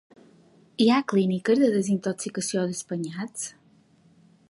Hi ha clíniques de desintoxicació d’espanyats?